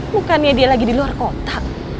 bukannya dia lagi di luar kotak